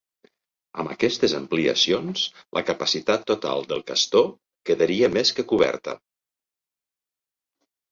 Amb aquestes ampliacions, la capacitat total del Castor quedaria més que coberta.